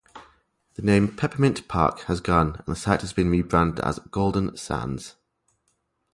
The name 'Peppermint Park' has gone and the site has been rebranded 'Golden Sands'.